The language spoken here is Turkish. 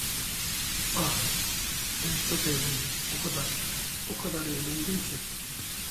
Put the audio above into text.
Ah, ben çok eğlendim, o kadar, o kadar eğlendim ki…